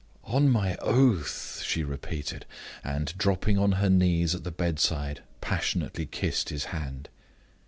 "On my oath!" she repeated, and, dropping on her knees at the bedside, passionately kissed his hand.